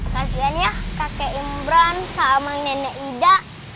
kasian ya kakek imbran sama nenek ida